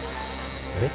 えっ？